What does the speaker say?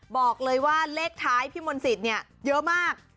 บอกเลยว่าเลขท้ายพี่มนต์สิทธิ์เนี่ยเยอะมาก